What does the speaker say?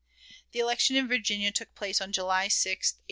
The election in Virginia took place on July 6, 1869.